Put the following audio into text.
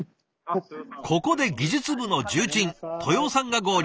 ここで技術部の重鎮豊生さんが合流。